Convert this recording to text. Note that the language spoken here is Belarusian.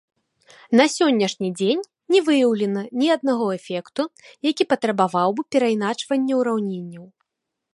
На сённяшні дзень не выяўлена ні аднаго эфекту, які патрабаваў бы перайначвання ўраўненняў.